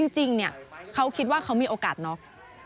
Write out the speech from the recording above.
จริงเขาคิดว่าเขามีโอกาสน็อก